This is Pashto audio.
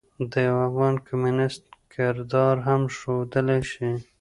د يوافغان کميونسټ کردار هم ښودلے شي.